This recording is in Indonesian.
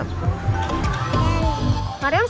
maria suka gak